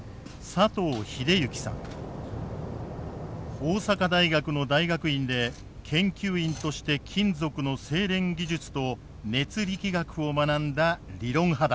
大阪大学の大学院で研究員として金属の精錬技術と熱力学を学んだ理論派だ。